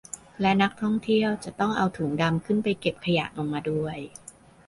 และนักท่องเที่ยวจะต้องเอาถุงดำขึ้นไปเก็บขยะลงมาด้วย